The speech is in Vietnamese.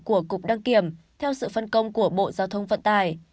của cục đăng kiểm theo sự phân công của bộ giao thông vận tải